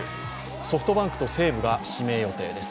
ソフトバンクと西武が指名予定です。